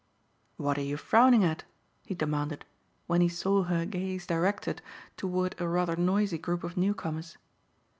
"What are you frowning at?" he demanded when he saw her gaze directed toward a rather noisy group of newcomers.